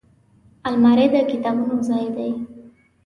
الماري د کتابونو ځای دی